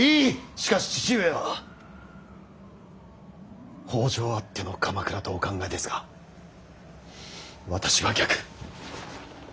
しかし父上は北条あっての鎌倉とお考えですが私は逆。